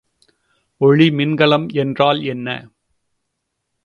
ஒளிமின்கலம் என்றால் என்ன?